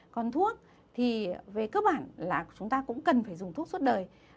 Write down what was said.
còn thuốc thì về cơ bản là chúng ta cũng cần phải dùng thuốc suốt đời